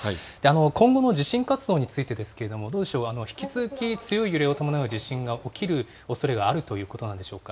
今後の地震活動についてですけれども、どうでしょう、引き続き強い揺れを伴う地震が起きるおそれがあるということなんでしょうか。